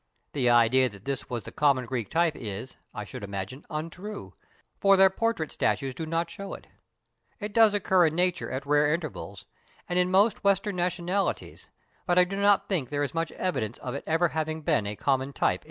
The idea that this was the common Greek type is, I should imagine, untrue, for their portrait statues do not show it. It does occur in nature at rare intervals, and in most Western nationalities, but I do not think there is much evidence of its ever having been a common type anywhere.